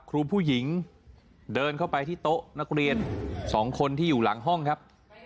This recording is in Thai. ครูผู้หญิงเดินเข้าไปที่โต๊ะนักเรียน๒คนที่อยู่หลังห้องครับ